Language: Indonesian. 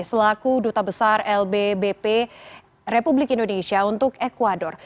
selaku duta besar lbp republik indonesia untuk ecuador